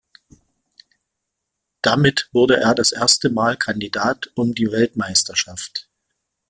Damit wurde er das erste Mal Kandidat um die Weltmeisterschaft.